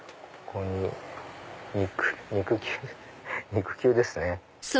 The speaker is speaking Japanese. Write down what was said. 肉球ですね。